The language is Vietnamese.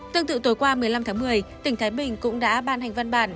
tương tự tối qua một mươi năm tháng một mươi tỉnh thái bình cũng đã ban hành văn bản